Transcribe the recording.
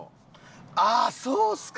あっそうですか！